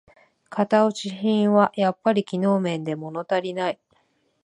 型落ち品はやっぱり機能面でものたりない